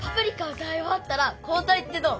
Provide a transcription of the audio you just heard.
歌いおわったら交たいってどう？